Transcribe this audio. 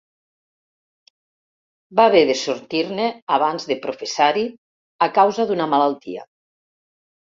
Va haver de sortir-ne abans de professar-hi, a causa d'una malaltia.